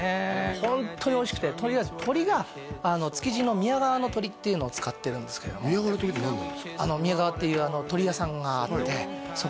ホントにおいしくてとりあえず鶏が築地の宮川の鶏っていうのを使ってるんですけれども宮川の鶏って何なんですか？